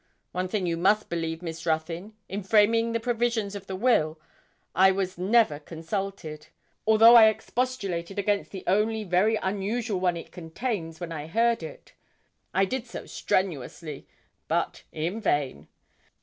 One thing you must believe Miss Ruthyn: in framing the provisions of the will I was never consulted although I expostulated against the only very unusual one it contains when I heard it. I did so strenuously, but in vain.